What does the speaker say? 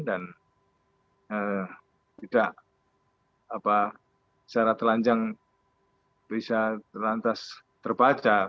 dan tidak secara telanjang bisa lantas terbaca